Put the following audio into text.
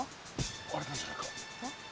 割れたんじゃないか。